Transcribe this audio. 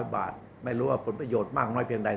บาทไม่รู้ว่าผลประโยชน์มากน้อยเพียงใด